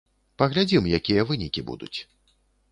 Паглядзім, якія вынікі будуць.